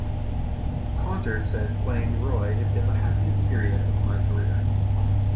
Caunter said playing Roy had been the happiest period of my career.